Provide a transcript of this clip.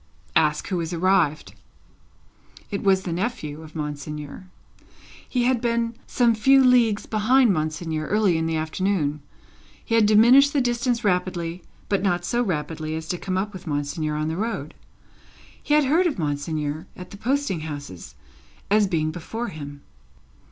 "Ask who is arrived." It was the nephew of Monseigneur. He had been some few leagues behind Monseigneur, early in the afternoon. He had diminished the distance rapidly, but not so rapidly as to come up with Monseigneur on the road. He had heard of Monseigneur, at the posting houses, as being before him.